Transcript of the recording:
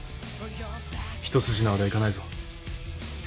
一筋縄ではいかないぞ。